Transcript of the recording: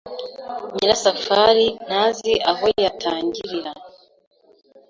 Nyirasafari ntazi aho yatangirira.